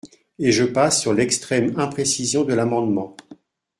Et je passe sur l’extrême imprécision de l’amendement.